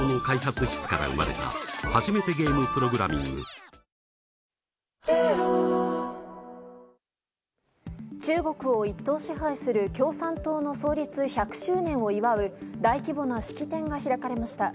トータル４アンダーで７位と中国を一党支配する共産党の創立１００周年を祝う大規模な式典が開かれました。